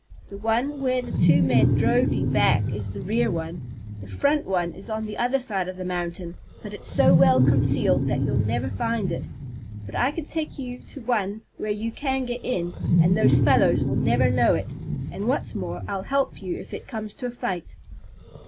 The one where the two men drove you back is the rear one. The front one is on the other side of the mountain, but it's so well concealed that you'd never find it. But I can take you to one where you can get in, and those fellows will never know it. And, what's more, I'll help you if it comes to a fight!"